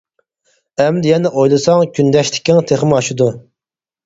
ئەمدى يەنە ئويلىساڭ، كۈندەشلىكىڭ تېخىمۇ ئاشىدۇ.